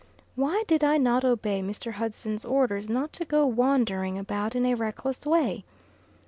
Why did I not obey Mr. Hudson's orders not to go wandering about in a reckless way!